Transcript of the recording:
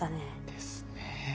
ですね。